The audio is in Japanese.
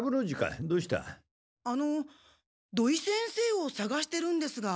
あの土井先生をさがしてるんですが。